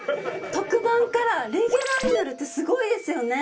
特番からレギュラーになるってすごいですよね。